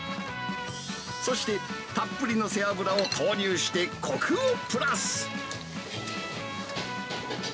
そして、たっぷりの背脂を投入してこくをプラス。